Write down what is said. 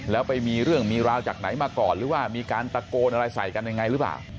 แล้วไปมีเรื่องมีราวจากไหนมาก่อนหรือว่ามีการตะโกนอะไรใส่กันยังไงหรือเปล่า